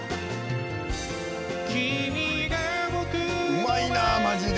うまいなぁマジで。